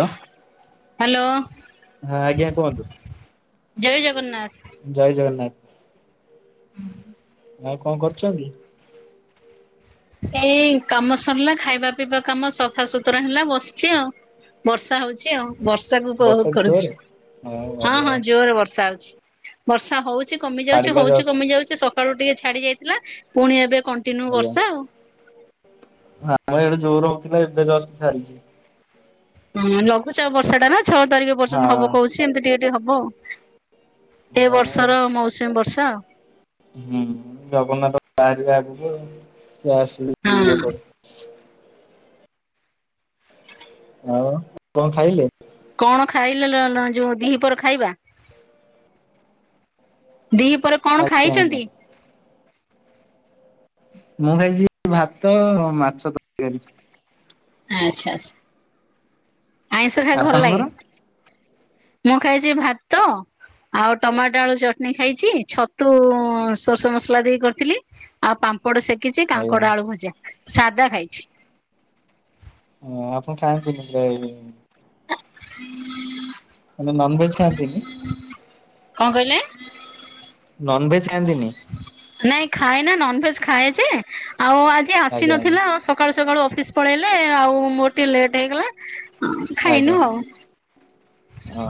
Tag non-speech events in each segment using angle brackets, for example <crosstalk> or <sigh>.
ହ ହ୍ୟାଲୋ ଆଜ୍ଞା କୁହନ୍ତୁ। ଜୟ ଜଗନ୍ନାଥ। ଜୟ ଜଗନ୍ନାଥ। ଆଉ କଣ କରୁଛନ୍ତି? ଏଇ କାମ ସରିଲା ଖାଇବା ପିଇବା କାମ ସଫାସୁତୁରା ହେଲା ବସିଛି ଆଉ। ବର୍ଷା ହଉଛି ଆଉ ବର୍ଷାକୁ ଉପଭୋଗ ବର୍ଷା କରୁଛି। ଜୋରେ? ହଁ ହଁ ଜୋରେ ବର୍ଷା ହଉଛି। ବର୍ଷା ହଉଛି କମି ଯାଉଛି ଛାଡ଼ିଲା ହଉଛି ଜଷ୍ଟ କମି ଯାଉଛି ସକାଳୁ ଟିକେ ଛାଡି ଯାଇଥିଲା ପୁଣି ଏବେ କ ଣ୍ଟିନ୍ୟୁ ବର୍ଷା ଆଉ। ହଁ ଆମ ଇଆଡ଼େ ଜୋରେ ହଉ ଥିଲା ଏବେ ଜଷ୍ଟ୍ ଛାଡିଛି। ହୁଁ ଲଘୁଚାପ ବର୍ଷା ଟା ନା ଛଅ ତାରିଖ ହଁ ପର୍ଯ୍ୟନ୍ତ ହବ କହୁଛି ଏମିତି ଟିକେ ଟିକେ ହବ। ଏ ହଁ ବର୍ଷର ମୌସୁମୀ ବର୍ଷା। ହୁଁ ଜଗନ୍ନାଥ ବାହାରିବା ଆଗକୁ ଆଉ ସିଏ ଆସିଲେ ହଁ। ଇଏ କରେ ଆଉ କଣ ଖାଇଲେ? କଣ ଖାଇଲ ଲ ଲ ଯୋଉ ଦିପହର ଖାଇବା? ଦି ପହରେ କଣ ଆଜ୍ଞା ଆଜ୍ଞା ଖାଇଛନ୍ତି? ମୁଁ ଖାଇଛି ଭାତ, ମାଛ ତରକାରୀ। ଆଚ୍ଛା ଆଚ୍ଛା। ଆଇଁଷ ଖାଇବାକୁ ଭଲ ଆପଣଙ୍କର? ଲାଗେ। ମୁଁ ଖାଇଛି ଭାତ। ଆଉ ଟମାଟୋ, ଆଳୁ ଚଟଣି ଖାଇଛି। ଛତୁ, ସୋରିଷ ମସଲା ଦେଇ କରିଥିଲି। ଆଉ ପାମ୍ପଡ ସେକିଚି ଆଜ୍ଞା କାଙ୍କଡ, ଆଳୁ ଭଜା ସାଦା ଖାଇଛି। ହଁ ଆପଣ ଖାଆନ୍ତିନି ପୁରା ଏ ମାନେ ନନଭେଜ ଖାଆନ୍ତିନି କଣ କହିଲେ? ନନ ଭେଜ୍ ଖାଆନ୍ତିନି। ନାଇଁ ଖାଏ ନା ନନଭେଜ ଖାଏ ଯେ ଆଉ ଆଜି ଆସି ଆଜ୍ଞା ଆଜ୍ଞା ନଥିଲା ସ ସକାଳୁ ସକାଳୁ ଅଫିସ ପଳେଇଲେ ଆଉ ମୋର ଟିକେ ଲେଟ୍ ହେଇଗଲା ଅଁ ଖାଇନୁ ଆଉ। ଓହୋ।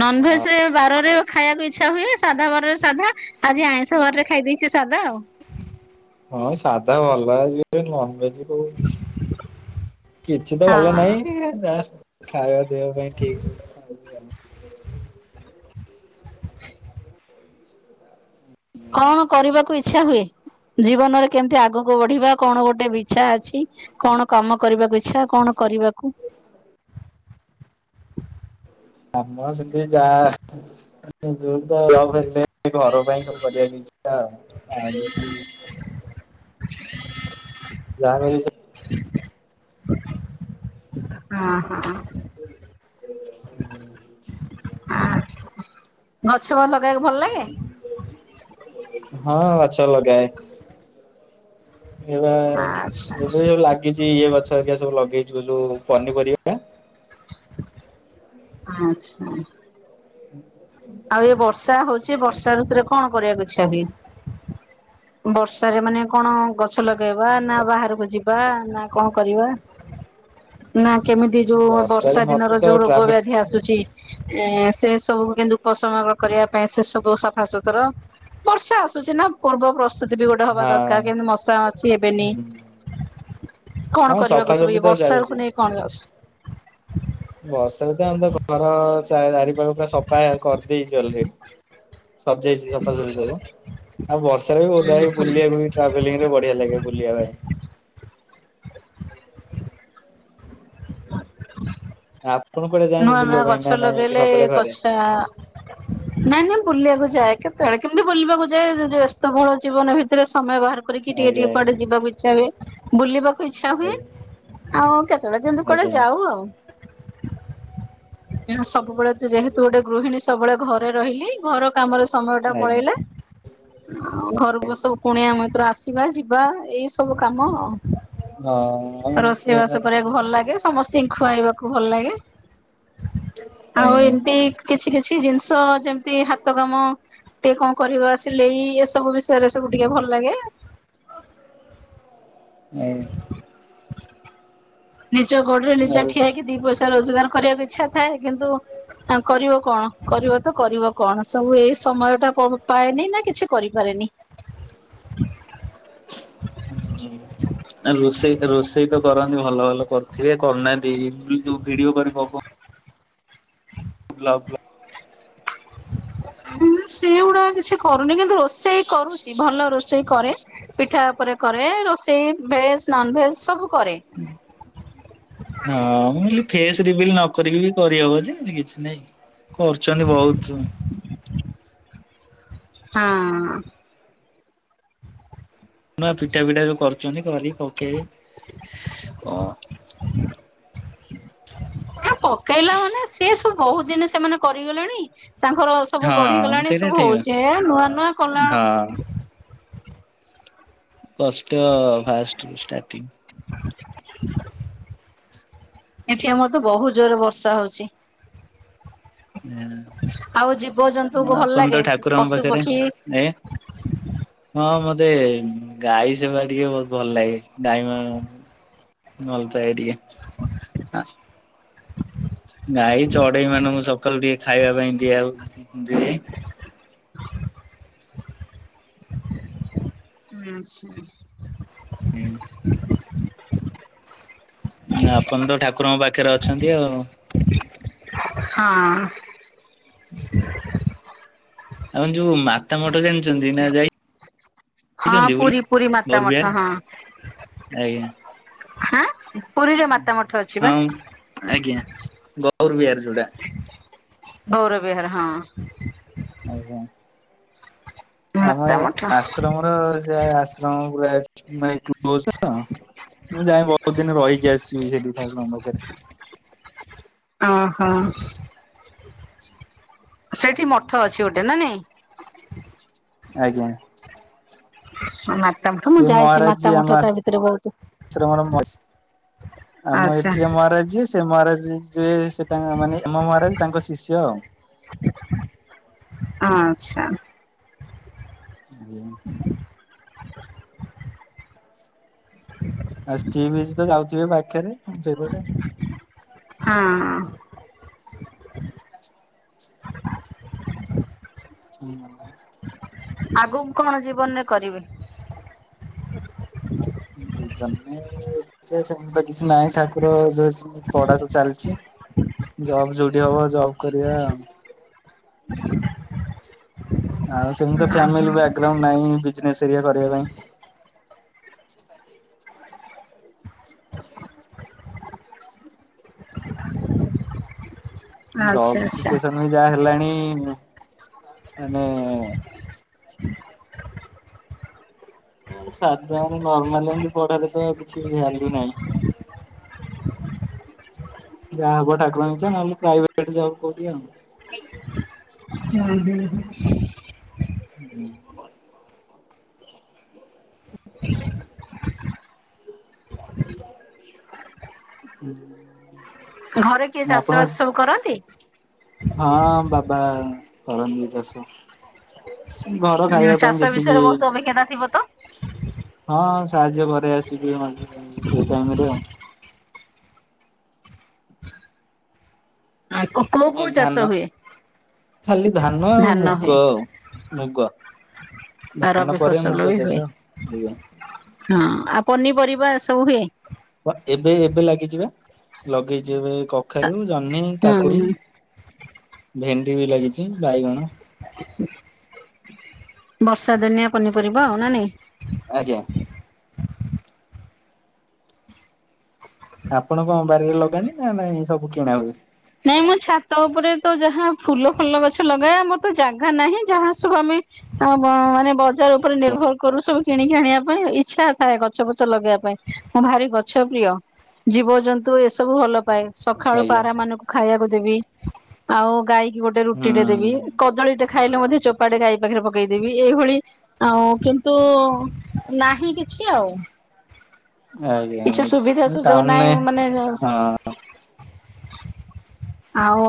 ନନଭେଜରେ ବାରରେ ଖାଇବାକୁ ଇଚ୍ଛା ହୁଏ ସାଧା ବାରରେ ସାଧା ଆଜି ଆଇଁଷ ବାରରେ ଖାଇଦେଇଛି ସାଧା ଆଉ। ହଁ ସାଧା ଭଲ ଯିବେ ନନ ଭେଜ କୋଉ କିଛି ତ ଭଲ ହଁ ନାହିଁ ଯାହା ଖାଇବା ପିବା ପାଇଁ ଠିକ। ଖାଇବା ଆଉ। କଣ କରିବାକୁ ଇଚ୍ଛା ହୁଏ ଜୀବନରେ କେମତି ଆଗକୁ ବଢିବା କଣ ଗୋଟେ ବି ଇଛା ଅଛି। କଣ କାମ କରିବାକୁ ଇଚ୍ଛା କଣ କରିବାକୁ? ହମ ସେମତି ଯାଆ ଜୋର ତ <unintelligible> ହେ ଘର ପାଇଁ ସବୁ କରିବାକୁ ଇଛା ଆଉ। <unintelligible> ଯାହା କରିବେ ସେ ହଁ ହଁ। ହୁଁ। ଆ ସ ଗଛ ସବୁ ଲଗେଇବାକୁ ଭଲ ଲାଗେ। ହଁ ଗଛ ଲଗାଏ। ଏବେ ଆଚ୍ଛା ଯେବେ ଲାଗ କିଛି ଇଏ ଗଛ ହେରିକା ସବୁ ଲଗେଇଛୁ ପନିପରିବା। ଆଚ୍ଛା। ଆଉ ଇଏ ବର୍ଷା ହଉଛି ବର୍ଷା ଋତୁରେ କଣ କରିବାକୁ ଇଛା ହୁଏ? <inaudible> ବର୍ଷାରେ ମାନେ କଣ ଗଛ ଲଗେଇବା ନା ବାହାରକୁ ଯିବା ନା କଣ କରିବା? ନା କେମିତି ଯୋଉ ବର୍ଷା ବର୍ଷାରେ ଦିନର ମତେ ତ ଯୋଉ ରୋଗ ଟ୍ରାଭେ ବ୍ୟାଧି ଆ ସୁଛି ଏ ସେ ସବୁ କିନ୍ତୁ ଉପସମ କରିବା ପାଇଁ ସେ ସବୁ ସଫାସୁତୁରା ବର୍ଷା ଆସୁଛି ନା ପୂର୍ବ ପ ବସତି ବି ଗୋଟେ ହବା ହଁ ଦରକାର କେମିତି ମଶା ଅଛି ହେବେନି। ହୁଁ। କଣ ହଁ କରିବାକୁ ସବୁ ସଫାସଫି ଇଏ ତ ବର୍ଷା ଚାଲିଛି ଋତୁକୁ ନେଇ କଣ ଯାଉଛି। ବର୍ଷା ଋତୁ ଆମେ ତ ଘର ଚା ଚାରିପାଖ ପୁରା ସଫା କରିଦେଇଛି ଅଲରେଡି। ସଯେଇଛି ସଫାସଫି ସବୁ ଆଉ ବର୍ଷା ବି ବୋଧେ ବୁଲିବାକୁ। ଟ୍ରାଭେଲିଙ୍ଗ ରେ ବଢିଆ ଲାଗେ ବୁଲିବା ପାଇଁ। ଆ। ନୂଆ ନୂଆ ଗଛ ଲଗେଇଲେ ଘରେ? କଛା ନାଇଁ ନାଇଁ ବୁଲିବାକୁ ଯାଏ କେତେବେଳେ କେମିତି ବୁଲିବାକୁ ଯାଏ ଯ ବ୍ୟସ୍ତ ବହୁଳ ଜୀବନ ଭିତରେ ସମୟ ବାହାର। କରିକି ଟିକେ ଆଜ୍ଞା ଟିକେ କୁଆଡେ ଆ ଯିବାକୁ ଇଚ୍ଛା ହୁଏ। ବୁଲିବାକୁ ଇଚ୍ଛା ହୁଏ ଆଉ କେତେବେଳେ ଯେମୁ କୁଆଡେ ଆଜ୍ଞା ଯାଉ ଆଉ? ସବୁବେଳେ ଯେହେତୁ ଗୋଟେ ଗୃହିଣୀ ସବୁବେଳେ ଘରେ ରହିଲି ଘର କାମରେ। ସମୟ ଟା ଆଜ୍ଞା ପଳେଇଲା। ଘରକୁ ସବୁ ପୁଣିଆମ ଭିତର ଆସିବା ଯିବା ଏଇ ସବୁ କାମ ଆଉ। ହଁ ରୋଷେଇ ସେଇଆ ବାସ କରିବାକୁ ଭଲ ଲାଗେ ସମସ୍ତତିଙ୍କୁ ଖୁଆଇବାକୁ ଭଲ ଲାଗେ। ଆଉ ଆଜ୍ଞା ଆଜ୍ଞା ଏମିତି କିଛି କିଛି ଜିନିଷ ଯେମିତି ହାତ କାମ। ଟିକେ କଣ କରିବ ଆସିଲେ ଏସବୁ ବିଷୟରେ ସବୁ ଟିକେ ଭଲ ଲାଗେ। ଆ। ନିଜ ଗୋଡରେ ନିଜ ଠିଆ ହେଇକି ଦି ପଇସା ରୋଜଗାର କରିବାକୁ ଇଚ୍ଛା ଥାଏ କିନ୍ତୁ କରିବ କଣ କରିବ ତ କରିବ କଣ ସବୁ ଏଇ ସମୟ ଟା ପାଏନି ନା କିଛି କରିପାରେନି? ହୁଁ। ରୋଷେଇ ରୋଷେଇ ତ କରନ୍ତି ଭଲ ଭଲ କରିଥିବେ କରିନାହାନ୍ତି ଯୋଉ ଭିଡିଓ କରି ପକ ହଁ। <inaudible> ଁ ସେଗୁଡା କିଛି କରୁନି କିନ୍ତୁ ରୋଷେଇ କରୁଛି ଭଲ ରୋଷେଇ କରେ। ପିଠା ଉପରେ କରେ ରୋଷେଇ ଭେଜ ନନ ଭେଜ ସବୁ କରେ। ହୁଁ। ହଁ ମୁଁ ଫେସ ରିବିଲ୍ ନକିକି ବି କରିହବ କିଛି ନାଇଁ। କରୁଛନ୍ତି ବହୁତ। ହଁ। ନା ପିଠା ପିଟା ଯୋଉ କରୁଛନ୍ତି କରି ପକେଇବ କଣ। ଆ ପକେଇଲା ମାନେ ସେି ସବୁ ବହୁତ ଦିନ ସେମାନେ କରିଗଲେଣି। ତାଙ୍କର ସବୁ ହଁ ବଢିଗଲାଣି ସେଇଟା ସବୁ ଠିକ ହଉଛି ନୂଆ ନୂଆ କଲା। ହଁ ଷ୍ଟ ଫାଷ୍ଟାର୍ଟି। ଏଠି ଆମର ତ ବହୁତ ଜୋରରେ ବର୍ଷା ହଉଛି। ଆଉ ଜୀବଜନ୍ତୁକୁ ଭଲ ଆପଣ ଲାଗେ ତ ଠାକୁରଙ୍କ ପଶୁ ପାଖରେ ପକ୍ଷୀ ଏ। ହଁ ମତେ ଗାଈ ସେବା ଟିକେ ବହୁତ ଭଲ ଲାଗେ ଗାଈ ମ। ଭଲପାଏ ଟିକେ ଗାଈ ଚଢେଇ ମାନେ ମୁଁ ସବୁ। ସକାଲ ଟିକେ ଖାଇବା ପାଇଁ ଦିଆଉ। ଆଛା। ହୁଁ। ଆପଣ ତ ଠାକୁରଙ୍କ ପାଖରେ ଅଛନ୍ତି ଆଉ। ହଁ। ହୁ। ଆପ ଯୋଉ ମାତା ମଠ ଜଣିଛନ୍ତି ନା ଯାଇ। ହଁ ପୁରୀ ପୁରୀ ମାତା ମାଠ ହଁ। ଆଜ୍ଞା ହଁ। ହଁ ଆଜ୍ଞା ଗୌରବହାରାର ସେଟା। ଗୌରବିହାରହାର ହଁ। ଆଜଞା। ଆମ ମାତା ଏ ମଠ। ଆଶ୍ରମର ଯ ଆଶ୍ରମ ଗ। ମୁଁ ଯାଇଏ ବହୁତ ଦିନ ରହିକି ଆସିବି ସେଠି ଠାରୁଣ୍ଡଖରେ। ଓହୋ। ଓ। ସେଠି ମଠ ଅଛି ଗୋଟେ ନା ନାଇଁ। ଆଜ୍ଞା? ନା। ଏ ମହାରାଜ ଯ ଆମ ଆଶ୍ରମର ଆମ ଆଚ୍ଛା ଏଠି ମହାରାଜ ସେ ମହାରାଜ ଯଏ ସେ ତାଙ୍କ ମାନେ ଆମ ମହାରାଜ ତାଙ୍କ ଶିଷ୍ୟ ଆଉ। ଆଚ୍ଛା। <unintelligible> ଆଉ ସି ବି ତ ଯାଉଥିବେ ପାଖରେ ସେପଟେ ହଁ। <unintelligible> ମିଳିଗଲା ଆଗକୁ କଣ ଜୀବନରେ କରିବେ? ସେମିତି ତ କିଛି ନାଁ ଠାକୁରଙ୍କ ପଢ଼ାକୁ ଚାଲିଛି, ଜବ୍ ଯୋଉଠି ହବ ଜବ୍ କରିବା। ଆଉ ସେମିତି ଫାମିଲି ବ୍ୟାଗରାଉଣ୍ଡ ନାହିଁ ଵୀଜନେଶ ଏଇଆ କରିବା ପାଇଁ। ଜବ ଆଚ୍ଛା ଆଚ୍ଛା ସିଚୁଏସନ ବି ଯାହା ହେଲାଣି ମାନେ ସାଧାରଣ ନର୍ମାଲ ଏମତି ପଢାରେ ତ କିଛି ଭାଲ୍ୟୁ ନାହିଁ। ଯାହା ହବ ଠାକୁରଙ୍କ ଇଛା ନହେଲେ ପ୍ରାଇଭେଟ ଜବ୍ କୋଉଠି ଆଉ। ଆଜ୍ଞା। <unintelligible> ହୁଁ। ହୁଁ। ଘରେ କିଏ ଚାଷ ବାସ ସବୁ କରନ୍ତି? ହଁ ବାବା କରନ୍ତି ଚାଷ। ଘର ଖାଇବା ପାଇଁ ଯେତିକି ବହି, ଖାତା ଥିବତ? ହଁ ସାହାଯ୍ୟ ପରେ ଆସିବି <unintelligible> ସେଇ ଟାଇମରେ ଆଉ। ଆଉ କ ହଁ ଧାନ, ଖାଲି ଧାନ ଆଉ ମୁଗ ଆଉ। ମୁଗ ଆଉ ଧାନ ରବି ପରେ ଫସଲ ମୁଗ ବି ଚାସ ହୁଏ ଏଇଆ। ହଁ ଆଉ ପନିପରିବା ସବୁ ହୁଏ? ଏବେ ଏବେ ଲାଗିଯିବେ, ଲଗେଇଛିି ଏବେ କଖାରୁ, ଜହ୍ନି ହୁଁ କାକୁଡି, ଭେଣ୍ଡି ବି ଲାଗିଛି ବାଇଗଣ ବର୍ଷା ଦୀନିଆ ପନିପରିବା ଆଉ ନା ନାଇଁ। ଆଜ୍ଞା। ଆପଣ କଣ ବାରିରେ ଲଗାନ୍ତି ନା ନାଇ ଏ ସବୁ କିଣା ହୁଏ? ନାଇଁ ମୋ ଛାତ ଉପରେ ତ ଯାହା ଫୁଲ ଫଲ ଗଛ ଲଗାଏ, ଆମର ତ ଜାଗା ନାହିଁ ଯାହା ସବୁ ଆମେ <unintelligible> ମାନେ ବଜାର ଉପରେ ନିର୍ଭର କରୁ ସବୁ କିଣିକି ଆଣିବା ପାଇଁ ଇଚ୍ଛା ଥାଏ ଗଛ ପଛ ଲଗେଇବା ପାଇଁ ମୁଁ ଭାରି ଗଛ ପ୍ରିୟ, ଜୀବଜନ୍ତୁ ଏସବୁ ଭଲ ପାଏ। ସକାଳୁ ଆଜ୍ଞା ପାରା ମାନଙ୍କୁ ଖାଇବାକୁ ଦେବି ଆଉ ଗାଈକି ଗୋଟେ ରୁଟି ଟେ ହୁଁ ଦେବି, କଦଳୀ ଟେ ଖାଇଲେ ମଧ୍ୟ ଚୋପାଟେ ଗାଈ ପାଖରେ ପକେଇଦେବି, ଏଇଭଳି ଆଉ କିନ୍ତୁ ନାହିଁ କିଛି ଆଉ। ଆଜ୍ଞା କିଛି ବୁଝ ସୁବିଧା ସୁଯୋଗ ଟାଉନରେ ନାହିଁ ମାନେ ହଁ ଆଉ?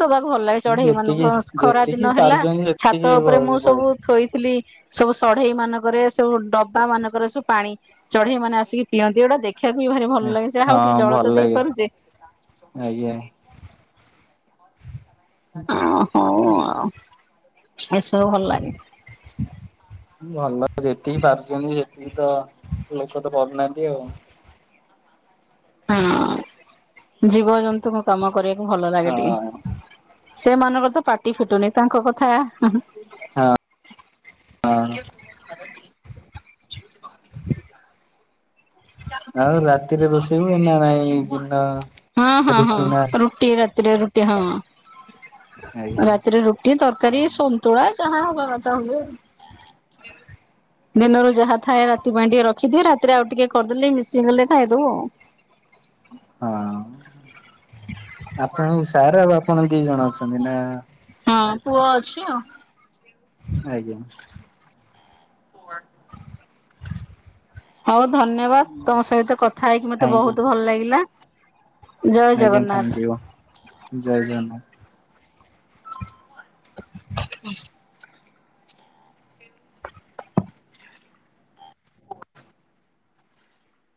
ଦବାକୁ ଭଲ ଲାଗେ ଚଢେଇ ଯେତିକି ମାନଙ୍କୁ, ଖରା ଯେତିକି ଦିନ ହେଲା ପାରୁଛନ୍ତି ସେତିକି ଛାତ ଉପରେ ମୁଁ ସବୁ ବହୁତ। ଥୋଇଥିଲି ସବୁ ଷଢେଇ ମାନଙ୍କରେ ସବୁ ଡବା ମାନଙ୍କରେ ସବୁ ପାଣି ଚଢେଇ ମାନେ ଆସିକି ପିଅନ୍ତି, ଗୋଟା ଦେଖ <unintelligible> ଭାରି ଭଲ ଲାଗେ, ହଁ ଯାହାହଉ ଟିକେ ଜଳ ଭଲ ତ ଲାଗେ ଦେଇପାରୁଛେ। ଆଜ୍ଞା। ହଁ ଆଉ, ଏସବୁ ଭଲ ଲାଗେ। ଭଲ ଯେତିକି ପାରୁଛନ୍ତି ସେତିକି ତ ଲୋକ ତ କରୁୁନାହାନ୍ତି ଆଉ। ହଁ ଜୀବଜନ୍ତୁଙ୍କୁ କାମ କରିବାକୁ ଭଲ ଲାଗେ ହଁ ଟିକେ। ସେମାନଙ୍କର ତ ପାଟି ଫିଟୁନି ତାଙ୍କ କଥା ହଁ। ହଁ। ଆଉ ରାତିରେ ବସେଇବ ନା ନାଇଁ ଦିନ ହଁ ହଁ ହଁ, ରୁଟି ନା ରୁଟି ରାତିରେ ରୁଟି, ହଁ ଆଜ୍ଞା ରାତିରେ ରୁଟି, ତରକାର କରିଏ ସନତୁଳା କାହା ହବା କଥା ହୁଏ। ଉ ଦିନରୁ ଯାହା ଥାଏ ରାତି ପାଇଁ ଟିକେ ରଖିଦିଏ। ରାତିରେ ଆଉ ଟିକେ କରିଦେଲେ ମିଶିଗଲେ ଖାଇଦବୁ ଆଉ। ହଁ ଆପଣଙ୍କ ସାର୍ ଆଉ ଆପଣ ଦି ଜଣ ଅଛନ୍ତି ନା? ହଁ ପୁଅ ଅଛି ଆଉ। ଆଜ୍ଞା। <unintelligible> ହଉ ଧନ୍ୟବାଦ୍। ତମ ସହିତ କଥା ହେଇକି ମତେ ଥ୍ୟାଙ୍କୟୁ ବହୁତ ଭଲ ଲାଗିଲା। ଜୟ ଆଜ୍ଞା। ଜଗନ୍ନାଥ। ଥାଙ୍ଗକ୍ୟୁ। ଜୟ ଜଗନ୍ନାଥ। ହ